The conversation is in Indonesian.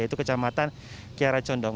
yaitu kecamatan kiara condong